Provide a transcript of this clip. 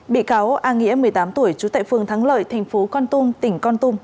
bị cáo a nghĩa một mươi tám tuổi chú tệ phương thắng lợi thành phố con tung tỉnh con tung